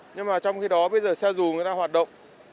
nhưng mà trong khi đó bây giờ xe dù người ta hoạt động